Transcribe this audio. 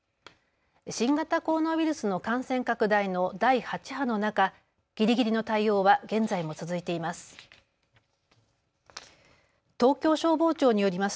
新型コロナウイルスの感染拡大の第８波の中、ぎりぎりの対応は現在も続いています。